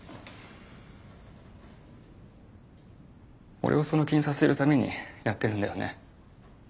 俺をその気にさせるためにやってるんだよね。